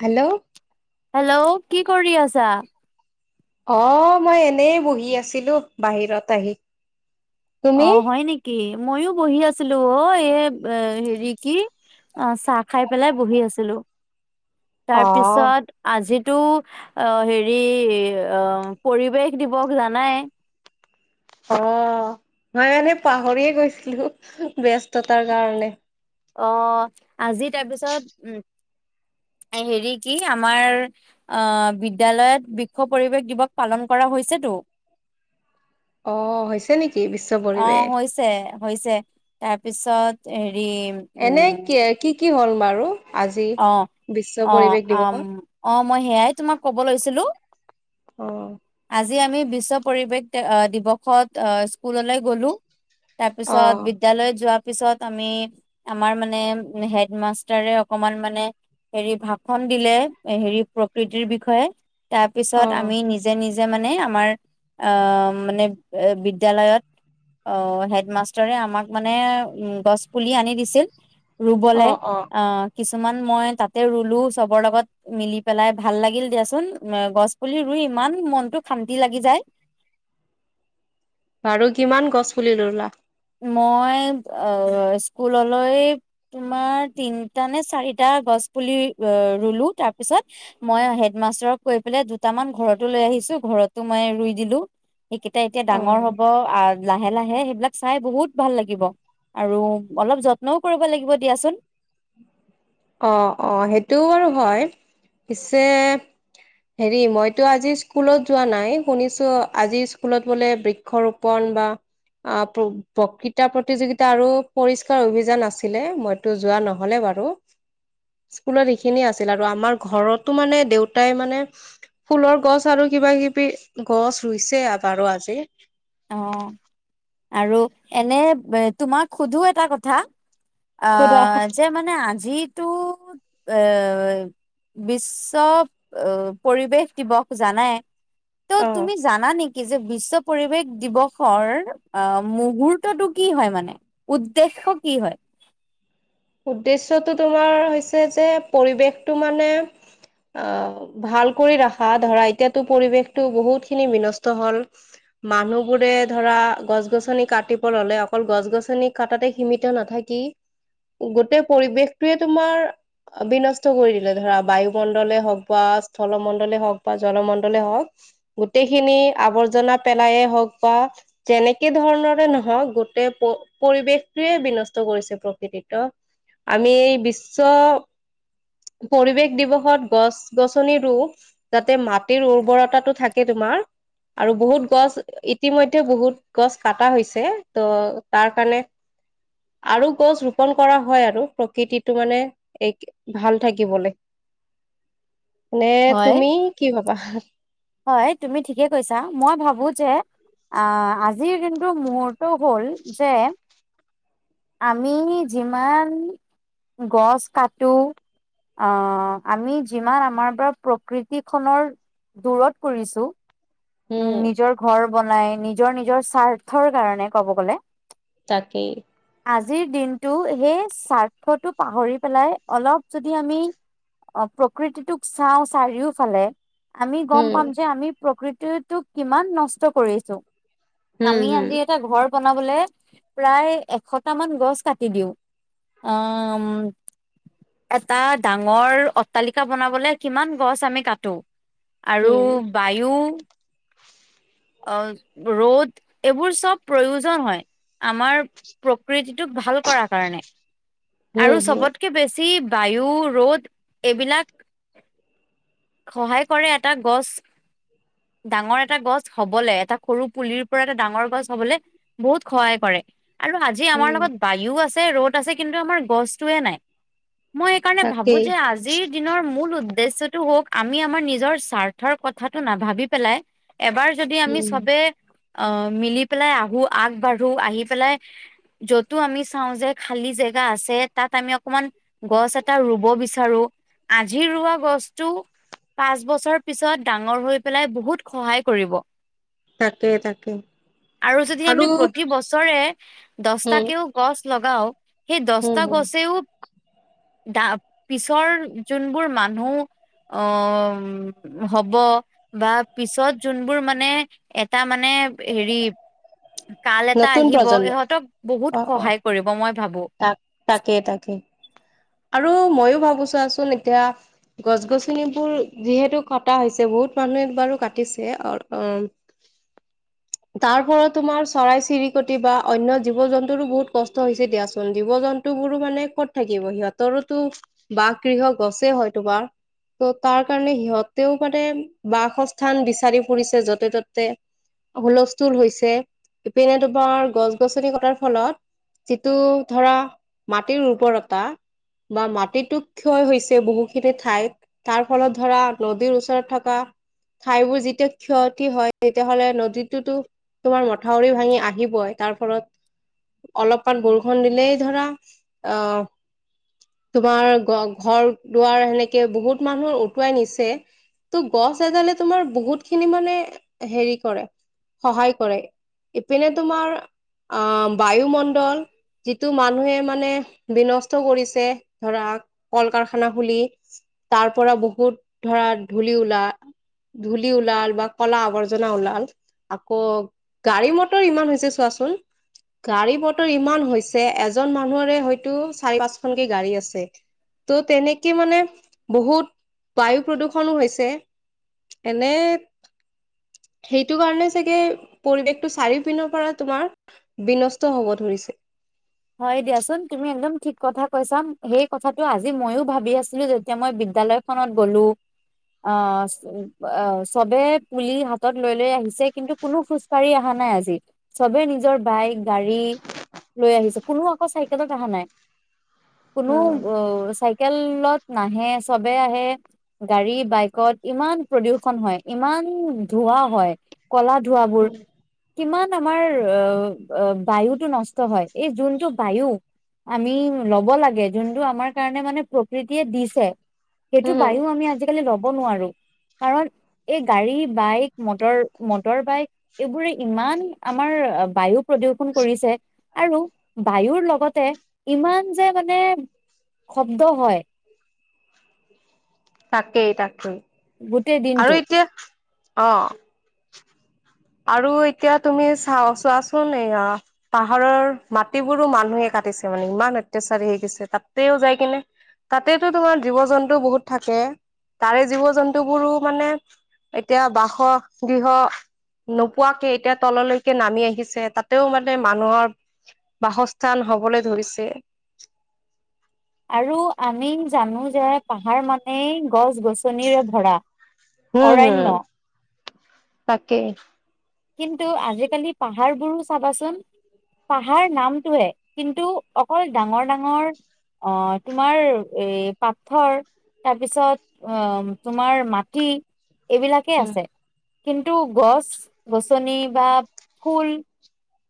Hello, hello, কি কৰি আছা? অহ ', মই এনেই বহি আছিলো বাহিৰত আহি। তুমি অহ ', হয় নেকি? মইয়ো বহি আছিলো অহ ', এই হেৰি কি অহ ', চাহ খাই পেলাই বহি আছিলো। অ তাৰপিছত আজিত টো অহ ', হেৰি অহ ', পৰিৱেশ দিব জানাই। অহ ', মই মানে পাহৰিয়ে গৈছিলো ব্যস্ততাৰ কাৰণে। অহ ', আজি তাৰপিছত উ', হেৰি কি আমাৰ আহ', বিদ্য়ালয়ত বিশক্ষ পৰিবেশ দিৱস পালন কৰা হৈছেতো। অহ, হৈছে নেকি? বিশ্ব অহ ', পৰিৱেশ হৈছে - হৈছে তাৰপিছতে ৰি এনে উম কি কি কি হ'ল বাৰু। আজি অ' বিশ্ব - অ' পৰিৱেশ দিৱসত - অ', মই সেয়াই তোমাক ক'ব লৈছিলো অ আজি আজি আমি বিশ্ব পৰিৱেশ দিৱসত অহ ', স্কুললৈ গ'লো। অ তাৰপিছত বিদ্যয়ালয় যোৱা। পিছত আমি আমাৰ মানে হেডমাষ্টাৰে। অকমান মানে হেৰি ভাষণ দিলে হেৰি প্ৰকৃতিৰ বিষয়ে। তাৰ অ পিছত আমি নিজে - নিজে যে মানে আমাৰ আহ', মানে বিদদ্যালয়ৰ আহ হেডমাষ্টৰে আমাক মানে উম ', গছ পুলি আনি দিছিল। অ ৰুবলৈ অ অহ ', কিছুমান মই তাতে ৰুলো চবৰ লগত মিলি পেলাই ভাল লাগিল দিয়াচোন। গছ পুলি ৰুই ইমান মনটো শান্তি লাগি যায়। বাৰু কিমান গছ পুলি ল'লা? মই স্কুললৈ তোমাৰ তিনটা নে চাৰিটা গছ পুলি ৰুলো তাৰ পিছত মই হেডমাষ্টাৰক কৈ পেলাই দুটামান ঘৰতো লৈ আহিছো ঘৰতো মই ৰুই দিলো। সেইকেইটা এতিয়া অ ডাঙৰ হ'ব আহ', লাহে - লাহে সেইবিলাক চাই বহুত ভাল লাগিব। আৰু অলপ যত্নও কৰিব লাগিব দিয়াচোন। অহ-অহ, সেইটোও বাৰু হয়। পিছে হেৰি মইতো আজি স্কুলত যোৱা নাই, শুনিছো আজি স্কুলত বোলে বৃক্ষ ৰোপণ বা প্ৰকৃতা প্ৰতিযোগিতা আৰু পৰিষ্কাৰ অভিযান আছিলে মইতো যোৱা নহ'লে বাৰু। স্কুলত এইখিনিয়ে আছিল আৰু আমাৰ ঘৰতো মানে দেউতাই মানে ফুলৰ গছ আৰু কিবা-কিবি গছ ৰুইছে বাৰু আজি। অহ, আৰু এনে তোমাক সোধো এটা কথা সোধা অহ, যে মানে আজিতো এ বিশ্ব পৰিৱেশ দিৱস জানাই ত অ তুমি জানা নেকি কি যে বিশ্ব পৰিৱেশ দিৱসৰ আহ মুহুৰ্তটো কি হয় মানে, উদ্দেশ্য কি হয়? উদ্দেশ্যয়টো তোমাৰ হৈছে যে পৰিৱেশটো মানে আহ ভাল কৰি ৰাখা, ধৰা এতিয়াতো পৰিৱেশটো বহুতখিনি বিনষ্ট হল। মানুহবোৰে ধৰা গছ গছনি কাটিব ললে অকল গছ গছনি কটাতে সীমিত নাথাকি গোটেই পৰিৱেশটয়ে তোমাৰ বিনষ্ট কৰি দিলে ধৰা বায়ুমণ্ডলে হওক বা স্থলমণ্ডলে হওক বা জলমণ্ডলে হওক গোটেইখিনি আৱৰ্জনা পেলায়ে হওক বা যেনেকে ধৰণৰে নহওক গোটেই পৰিৱেশটোৱে বিনষ্ট কৰিছে প্ৰকৃতিক। ত আমি বিশ্ব পৰিৱেশ দিৱসত গছ গছনি ৰুওঁ যাতে মাটিৰ উৰ্বৰতাটো থাকে তোমাৰ আৰু বহুত গছ ইতিমধ্যে বহুত গছ কাটা হৈছে, ত তাৰ কাৰণে আৰু গছ পন কৰা হয় আৰু প্ৰকৃতিটো মানে এক ভাল থাকিবলৈ। নে হয়। তুমি কিিবা বাহত হয় তুমি ঠিকে কৈছা মই ভাবো যে আহ আজিৰ কিন্তু মুহুৰ্ত হ'ল যে আমি যিমান গছ কাটো, আহ আমি যিমান আমাৰ পৰা প্ৰকৃতিখনৰ দূৰত পৰিছো। উম নিজৰ ঘৰ বনাই, নিজৰ-নিজৰ স্বাৰ্থৰ কাৰণে ক'ব গ'লে। তাকেই। আজিৰ দিনটো সেই স্বাৰ্থটো পাহৰি পেলাই অলপ যদি আমি প্ৰকৃতিটোক চাওঁ চাৰিওফালে আমি গম উম পাম যে আমি প্ৰক তি তোক কিমান নষ্ট কৰিছো। উম আমি আজি হুম এটা ঘৰ বনাবলে প্ৰায় এশটা মান গছ কাটি দিওঁ। আম এটা ডাঙৰ অট্টালিকা বনাবলে কিমান গছ আমি কাটো। আৰু উম বায়ু আহ ৰ'দ এইবোৰ চব প্ৰয়োজন হয়। আমাৰ প্ৰকৃতিটোক ভাল কৰাৰ কাৰণে হুম আৰু হুম চবতকে বেছি বায়ু ৰ'দ এইবিলাক সহায় কৰে এটা গছ ডাঙৰ এটা গছ হবলে এটা সৰু পুলিৰ পৰা এটা ডাঙৰ গছ হবলৈ বহুত সহায় কৰে। আৰু আজি আমাৰ উম লগত বায়ু আছে ৰ'দ আছে কিন্তু আমাৰ গছতয়ে নাই। মই এইকাৰণে ভাবো তাকেই যে আজিৰ দিনৰ মূল উদ্দেশ্যয়টো হওক আমি আমাৰ নিজৰ স্বাৰ্থৰ কথাটো নাভাবি পেলাই এবাৰ যদি আমি উম চবে আহ মিলি পেলাই আহো আগবাঢ়ো আহি পেলাই যতো আমি চাওঁ যে খালী জেগা আছে। তাত আমি অকমান গছ এটা ৰুব বিচাৰ আজি ৰোৱা গছতটো পাঁচ বছৰ পিছত ডাঙৰ হৈ পেলাই ব বহুত সহায় কৰিব। তাকে তাকে আৰু যদি আমি প্ৰতি বছৰে উম দছটাকেও গছ, লগাও। সেই উম দছটা উম গছেও দা পিছৰ যোনবোৰ মানুহ আহ হব বা পিছত যোনবোৰ মানে এটা মানে হেৰি কাল এটা নতুন আহিব প্ৰজন্ম ইহঁতক বহুত অ অ সহায় কৰিব মই ভাবো। তাক তাকে তাকে আৰু মইও ভাবো চোৱাচোন এতিয়া গছ গছনিবোৰ যিহেতু কটা হৈছে বহুত মানুহে বাৰো কাটিছে অ তাৰ পৰা তোমাৰ চৰাই চিৰিকটি বা অন্য জীৱ জন্তুৰো বহুত কষ্ট হৈছে দিয়া জীৱ জন্তু বোৰো মানে কত থাকিব সিহঁতৰোতো বাসগৃহ গছে হয় তোমাৰ ত' তাৰ কাৰণে সিহঁতেও মানে বাসস্থান বিচাৰি ফুৰিছে য'তে ত'তে হুলস্থুল হৈছে। ইপিনে তোমাৰ গছ গছনি কটাৰ ফলত যিটো ধৰা মাটিৰ উৰ্বৰতা বা মাটিতো ক্ষয় হৈছে বহুখিনি ঠাই তাৰ ফলত ধৰা নদীৰ ওচৰত থকা ঠাইবোৰ যেতিয়া ক্ষতি হয় তেতিয়াহলে নদীটোতো তোমাৰ মথাউৰি ভাঙি আহিবই। তাৰ ফলত অলপমান বৰষুণ দিলেই ধৰা আহ তোমাৰ ঘ ঘৰ দুৱাৰ সেনেকে বহুত মানুহৰ উটুৱাই নিছে ত' গছ এডালে তোমাৰ বহুত খিনি মানে হেৰি কৰে সহায় কৰে। ইপিনে তোমাৰ আহ বায়ুমণ্ডল যিটো মানুহে মানে বিনষ্ট কৰিছে ধৰা কল- কাৰখানা, খুলি তাৰ পৰা বহুত ধৰা ধুলি ওলা ধূলি ওলাল বা কলা আৱৰ্জনা ওলাল আকৌ গাড়ী মটৰ ইমান হৈছে চোৱাচোন গাড়ী মটৰ ইমান হৈছে। যে এজন মানুহৰে হয়তো। চাৰি পাঁচখনকে গাড়ী আছে। ত' তেনেকে মানে বহুত বায়ু প্ৰদূৰষনো হৈছে এনে সেইটো কাৰণে চাগে পৰিৱেশটো চাৰিওপিনৰ পৰা তোমাৰ বিনষ্ট হব ধৰিছে। হয় দিয়াচোন তুমি একদম ঠিক কথা কৈছা সেই কথাটো আজি মইও ভাবি আছিলো যেতিয়া মই বিদ্যালয় খনত গলো আহ চবে পুলি হাতত লৈ লৈ আহিছে কিন্তু কোনো খোজ কঢ়ি অহা নাই আজি। চবে নিজৰ বাইক, গাড়ী লৈ আহিছে। কোনো আকৌ চাইকেলত অহা নাই। কোনো উম অ চাই কেলত নাহে চবে আহে গাড়ী বাইকত ইমান প্ৰদূষন হয় ইমান ধোৱা হয়। কলা ধোৱাবোৰ কিমান আমাৰ অ অ বায়ুটো নষ্ট হয়। এই যোন বায়ু আমি ল'ব লাগে যোনটো আমাৰ কাৰণে মানে প্ৰকৃতিয়ে দিছে। সেইটো বায়ু আমি আজিকালি লগ নোৱাৰো কাৰণ এই গাড়ী, বাইক, মটৰ, মটৰ বাইক এইবোৰে ইমান আমাৰ বায়ু প্ৰদূষণ কৰিছে। আৰু বায়ুৰ লগতে ইমান যে মানে শব্দ হয়। তাকেই, তাকেই। গোটেই আৰু দিনটো এতিয়া আহ। আৰু এতিয়া তুমি চা চোৱাচোন এইয়া পাহাৰৰ মাটিবোৰো মানুহে কাটিছে মানে ইমান অত্যাচাৰী হৈ গৈছে তাতেও যাই কিনে তাতেতো তোমাৰ জীৱ জন্তু বহুত থাকে তাৰে জীৱ জন্তুবোৰো মানে এতিয়া বাস গৃহ নোপোৱাকে এতিয়া তললৈকে নামি আহিছে তাতেও মানে মানুহৰ বাসস্থান হবলৈ ধৰিছে আৰু আমি জানো যে পাহাৰ মানেই গছ গছনিৰে ভৰা হম অৰণ্য হম তাকেই কিন্তু আজিকালি পাহাৰবোৰো চাবাচোন পাহাৰ নামটোহে কিন্তু অকল ডাঙৰ ডাঙৰ আহ তোমাৰ এ পাথৰ তাৰপিছত আহ তোমাৰ মাটি এইবিলাকেই উম আছে কিন্তু গছ গছনি বা ফুল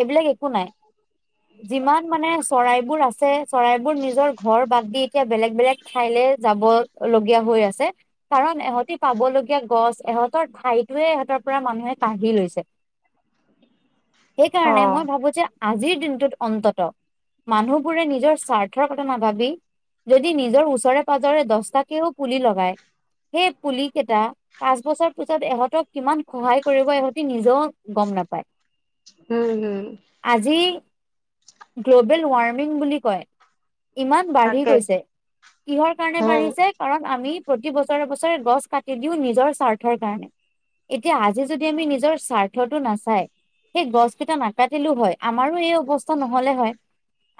এইবিলাক একো নাই যিমান মানে চৰাইবোৰ আছে চৰাইবোৰ নিজৰ ঘৰ বাদ দি এতিয়া বেলেগ বেলেগ ঠাইলৈ যাব লগীয়া হৈ আছে কাৰণ এহঁতি পাব লগীয়া গছ এহঁতৰ ঠাইটোয়ে ইহঁতৰ পৰা মানুহে কাঢ়ি লৈছে অ সেইকাৰণে মই ভাবো যে আজিৰ দিন ত অন্তত মানুহবোৰে নিজৰ স্বাৰ্থৰ কথা নাভাবি যদি নিজৰ ওচৰে পাজৰে দহটাকেও পুলি লগায় সেই পুলি কেইটা পাঁচ বছৰ পিছত ইহঁতক কিমান সহায় কৰিব ইহঁতি নিজেও গম নাপায়। উম হম আজি গ্ল'বেল ৱাৰ্মিং বুলি কয় ইমান বাঢ়ি তাকে গৈছে কিহৰ কাৰণে উম বাঢ়িছে কাৰণ আমি প্ৰতি বছৰে বছৰে গছ কাটি দিও নিজৰ স্বাৰ্থৰ কাৰণে এতিয়া আজি যদি আমি নিজৰ স্বাৰ্থতটো নাচাই সেই গছ কেইটা নাকাতি হয় আমাৰো এই অৱস্থা নহলে হয়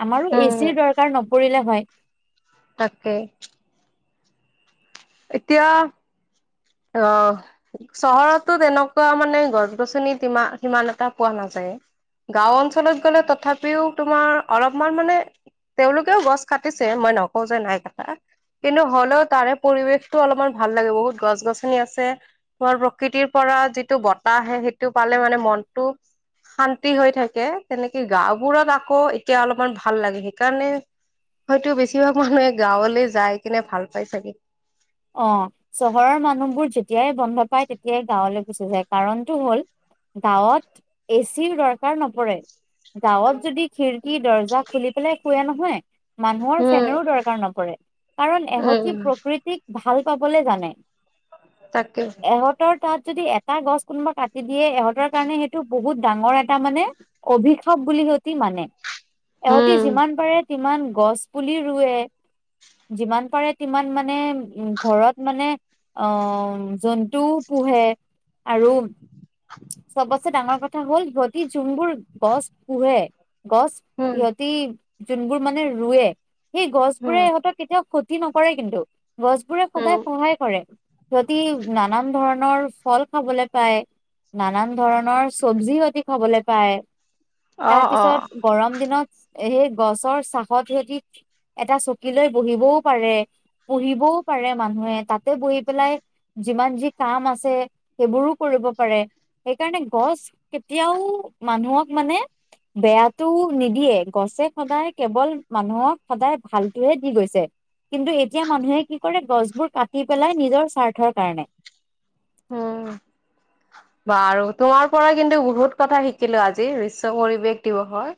আমাৰো উম এচিৰ দৰকাৰ নপৰিলে হয় তাকে এতিয়া অ চহৰতো তেনেকুৱা মানে গছ গছনিত সিমান এটা পোৱা নাযায় গাও অঞ্চলত গলে তথাপিও তোমাৰ অলপমান মানে তেওঁলোকেও গছ কাটিছে মই নকওঁ যে নাই কটা কিন্তু হলেও তাৰে পৰিৱেশতটো অলপমান ভাল লাগে বহুত গছ গছ গছনি আছে ধৰ প্ৰকৃতিৰ পৰা যিটো বতাহ আহে সেইটো পালে মানে মনটো শান্তি হৈ থাকে তেনেকে গাঁওবোৰত আকৌ এতিয়া অলপমান ভাল লাগে সেইকাৰণে হয়তো বেছিভাগ মানুহে গাঁৱলৈ যাই কিনে ভাল পাই চাগে অ চহৰৰ মানুহবোৰ যেতিয়াই বন্ধ পায় তেতিয়াই গাঁৱলৈ গুচি যায় কাৰণতটো হ'ল গাঁৱত এ চিও দৰকাৰ নপৰে। গাঁৱত যদি খিৰিকী দৰ্জা খুলি পেলাই শুৱে নহয় মানুহৰ উম, ফেনৰো দৰকাৰ নপৰে কাৰণ উম, এহতি উম, প্ৰকৃতি ভাল পাবলে জানে তাকে। এহঁতৰ তাত যদি এটা গছ কোনোবা কাটি দিয়ে ইহঁতৰ কাৰণে সেইটো বহুত ডাঙৰ এটা মানে অভিশাপ বুলি সিহতি মানে এহতি উম, যিমান পাৰে সিমান গছ পুলি ৰুৱে যিমান পাৰে তিমান মানে উ ঘৰত মানে অ জন্তুও পোহে আৰু জুম্বুৰ গছ পোহে। গছ উম, সহতি যোনবোৰ মানে ৰুৱে। সেই গছ বোৰে উম, সহঁতক কেতিয়াও ক্ষতি নকৰেই কিন্তু। গছবোৰে সদায় উম, সহায় কৰে। যদি নানান ধৰণৰ ফল খাবলৈ পায়। নানান ধৰণৰ চব্জিও আতি খাবলৈ পায়। অ', অ', তাৰপিছত গৰম দিনত সেই গছৰ চাহত সিহতি এটা চকী লৈ বহিবও পাৰে, পুহিবও পাৰে মানুহে তাতে বহি পেলাই যিমান যি কাম আছে সেইবোৰো কৰিব পাৰে। সেইকাৰণে গছ কেতিয়াও মানুহক মানে বেয়াটো নিদিয়ে গছে সদায় কেৱল মানুহক সদায় ভালটোহে দি গৈছে। কিন্তু এতিয়া মানুহে কি কৰে গছবোৰ কাটি পেলাই নিজৰ স্বাৰ্থৰ কাৰণে। উম বাৰু তোমাৰ পৰা কিন্তু বহুত কথা শিকিলো আজি বিশষ পৰিৱেশ দিৱসৰ।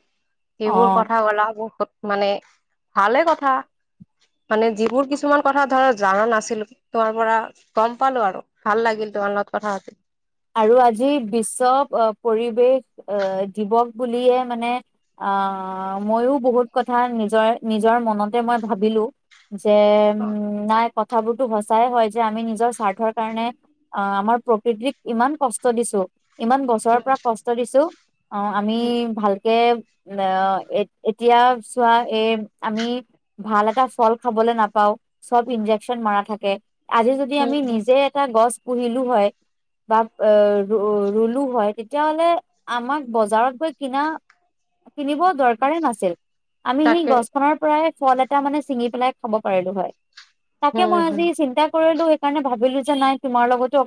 সবোৰ অ কথা ক'লা মানে ভালে কথা। মানে যিবোৰ কিছুমান কথা ধৰ জাননা নাছিলো তোমাৰ পৰা গম পালো আৰু। ভাল লাগিল তোমাৰ লগত পাতি। আৰু আজি বিশ্ব পৰিৱেশ আহ দিৱস বুলিয়ে মানে আহ মইো বহুত কথা নিজৰ-নিজৰ মনতে মই ভাবিলো। যে উম নাই কথাবোৰতো সচাই হয় যে আমি নিজৰ স্বাৰ্থৰ কাৰণে আহ আমাৰ প্ৰকৃতিক ইমান কষ্ট দিছো। ইমান বছৰৰ উম, পৰা কষ্ট দিছো। অহ, আমি উম, ভালকে আহ এতিয়া চোৱা এ আমি ভাল এটা ফল খাবলৈ নাপাও, চব ইনজেকচন মৰা থাকে। আজি যদি উম, আমি উম, নিজে এটা গছ পুহিলো হয়। বা এ ৰুলো হয়, তেতিয়াাহলে আমাক বজাৰত গৈ কিনা কিনিব দৰকাৰেই নাছিল। আমি সেই তাকে গছখনৰ পৰাই ফল এটা মানে ছিঙি পেলাই খাব পাৰিলো হয়। তাকে উম, মই হম। আজি চিন্তা কৰিলো সেই কাৰণে ভাবিলো যে নাই তোমাৰ লগতো